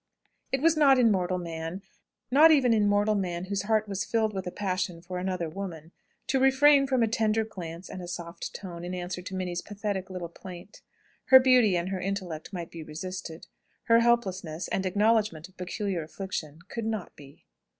It was not in mortal man not even in mortal man whose heart was filled with a passion for another woman to refrain from a tender glance and a soft tone, in answer to Minnie's pathetic little plaint. Her beauty and her intellect might be resisted: her helplessness, and acknowledgment of peculiar affliction, could not be.